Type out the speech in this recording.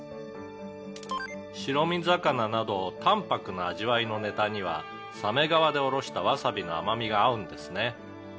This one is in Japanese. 「白身魚など淡泊な味わいのネタには鮫皮でおろしたわさびの甘味が合うんですね」